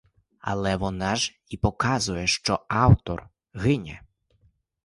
Але вона ж і показує, що автор гине!